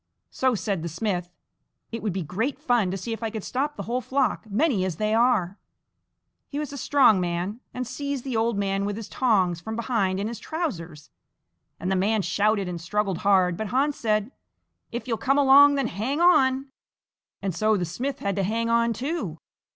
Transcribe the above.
So said the smith: "It would be great fun to see if I could stop the whole flock, many as they are!" He was a strong man, and seized the old man with his tongs from behind in his trousers, and the man shouted and struggled hard, but Hans said: "If you'll come along, then hang on!" And so the smith had to hang on too.